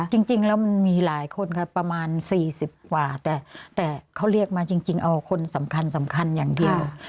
จริงแล้วมันมีหลายคนค่ะประมาณ๔๐กว่าแต่เขาเรียกมาจริงเอาคนสำคัญสำคัญอย่างเดียว